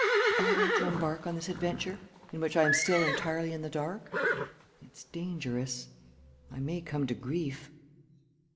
... Ought I to embark on this adventure, in which I am still entirely in the dark? It's dangerous. ... I may come to grief.